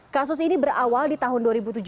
kasus ini berawal di tahun dua ribu tujuh belas